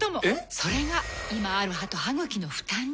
それが今ある歯と歯ぐきの負担に。